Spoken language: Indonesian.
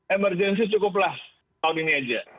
emergency cukuplah tahun ini aja